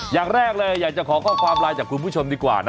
อย่างแรกเลยอยากจะขอข้อความไลน์จากคุณผู้ชมดีกว่านะ